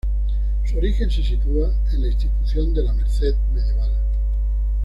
Su origen se sitúa en la institución de la Merced medieval.